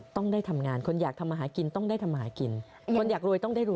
ต้องได้ทำงานคนอยากทำอาหารกินต้องได้ทำอาหารกิน